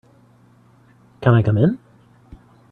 Can I come in?